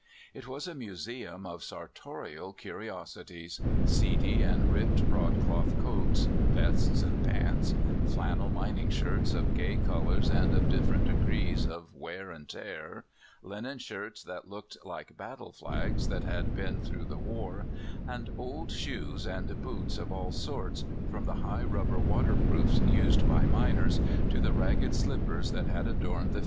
It was a museum of sarto rial curiosities — seedy and ripped broadcloth coats, vests, and pants, flannel mining shirts of gay colors and of different degrees of wear and tear, linen shirts that looked like battle flags that had been through the war, and old shoes and boots of all sorts, from the high rubber waterproofs used by miners to the ragged slippers that had adorned the THE i)IG(ji<:rs.